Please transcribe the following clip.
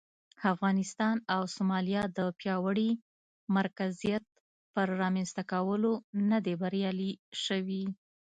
افغانستان او سومالیا د پیاوړي مرکزیت پر رامنځته کولو نه دي بریالي شوي.